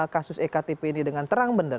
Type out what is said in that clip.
kasus ektp ini dengan terang bener